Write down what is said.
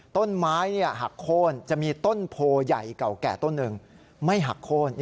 ต้นไม้หักโค้นจะมีต้นโพใหญ่เก่าแก่ต้นหนึ่งไม่หักโค้น